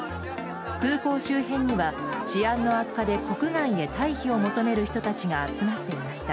空港周辺には治安の悪化で国外へ退避を求める人たちが集まっていました。